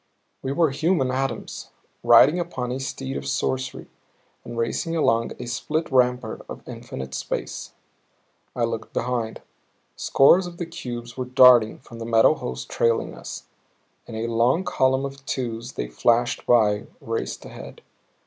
We were human atoms, riding upon a steed of sorcery and racing along a split rampart of infinite space. I looked behind scores of the cubes were darting from the metal host trailing us; in a long column of twos they flashed by, raced ahead.